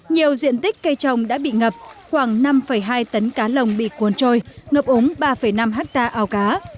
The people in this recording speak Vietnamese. nhiều diện tích cây trồng đã bị ngập khoảng năm hai tấn cá lồng bị cuốn trôi ngập úng ba năm hectare ao cá